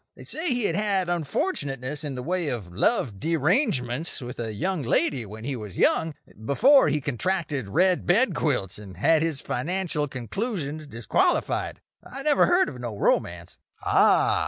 They say he had had unfortunateness in the way of love derangements with a young lady when he was young; before he contracted red bed quilts and had his financial conclusions disqualified. I never heard of no romance." "Ah!"